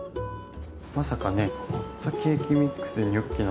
まさかねホットケーキミックスでニョッキなんて。